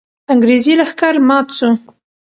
انګریزي لښکر مات سو.